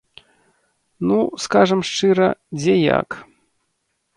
Ну, скажам шчыра, дзе як.